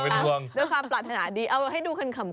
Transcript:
ด้วยความปรับฐานาธิ์ดีเอาให้ดูขนขำ